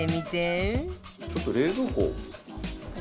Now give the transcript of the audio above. ちょっと冷蔵庫を。